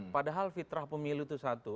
padahal fitrah pemilu itu satu